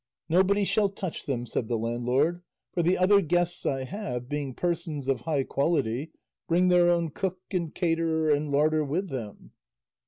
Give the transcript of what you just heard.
"Nobody shall touch them," said the landlord; "for the other guests I have, being persons of high quality, bring their own cook and caterer and larder with them."